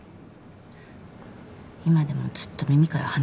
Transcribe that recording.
今でもずっと耳から離れないんだ。